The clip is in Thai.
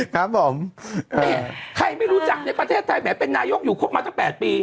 ครับผมใครไม่รู้จักในประเทศไทยแหมเป็นนายกอยู่ครบมาตั้ง๘ปี